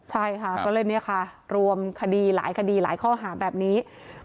ใช่ค่ะก็เลยเนี่ยค่ะรวมคดีหลายคดีหลายข้อหาแบบนี้